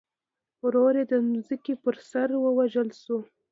ورور یې د ځمکې پر سر ووژل شو.